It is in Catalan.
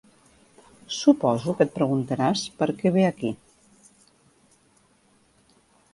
Suposo que et preguntaràs per què ve aquí.